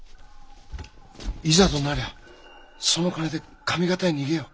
いざとなりゃその金で上方へ逃げよう！